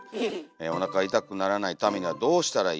おなかがいたくならないためにはどうしたらいいですか？」。